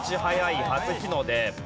早い初日の出。